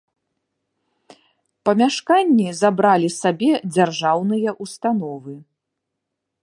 Памяшканні забралі сабе дзяржаўныя ўстановы.